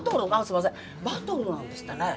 バトルなんですってね。